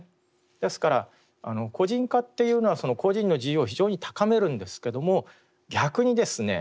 ですから個人化っていうのは個人の自由を非常に高めるんですけども逆にですね